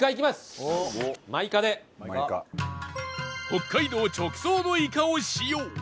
北海道直送のいかを使用